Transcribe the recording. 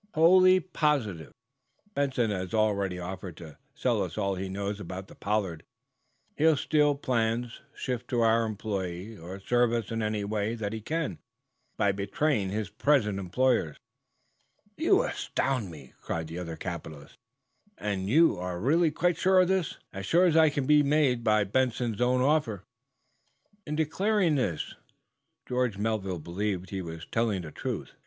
"Wholly positive. Benson has already offered to sell us all he knows about the 'Pollard.' He'll steal plans, shift to our employ, or serve us in any way that he can by betraying his present employers." "You astound me," cried the other capitalist. "And you are really quite sure of this?" "As sure as I can be made by Benson's own offer." In declaring this George Melville believed he was telling the truth.